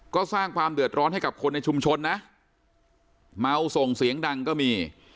ก็สร้างความเดือดร้อนให้กับคนในชุมชนนะเมาส่งเสียงดังก็มี